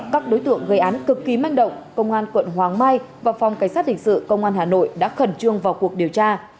các đối tượng gây án cực kỳ manh động công an quận hoàng mai và phòng cảnh sát hình sự công an hà nội đã khẩn trương vào cuộc điều tra